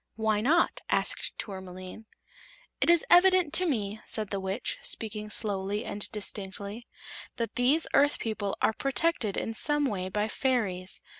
"Why not?" asked Tourmaline. "It is evident to me," said the Witch, speaking slowly and distinctly, "that these Earth people are protected in some way by fairies.